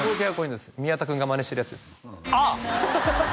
宮田君がマネしてるやつですああ！